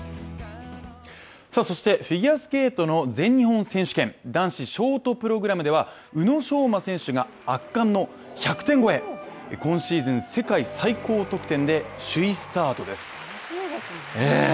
そして、フィギュアスケートの全日本選手権、男子ショートプログラムでは宇野昌磨選手が圧巻の１００点超え今シーズン世界最高得点で首位スタートです。